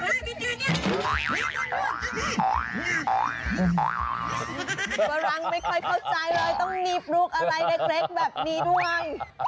กำลังไม่ค่อยเข้าใจเลยต้องหนีบลูกอะไรเล็กแบบนี้ด้วย